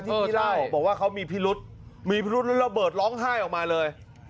ที่พี่เล่าบอกว่าเขามีมีบรรดระเบิดล้องไห้ออกมาเลย